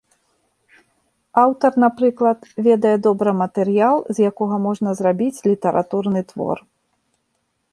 Аўтар, напрыклад, ведае добра матэрыял, з якога можна зрабіць літаратурны твор.